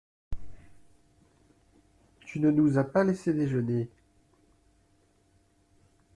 Tu ne nous as pas laissés déjeuner !